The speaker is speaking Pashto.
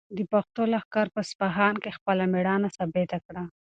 د پښتنو لښکر په اصفهان کې خپله مېړانه ثابته کړه.